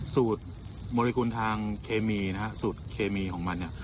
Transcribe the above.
สูตรโมเลกุลทางเคมีสูตรเคมีของมัน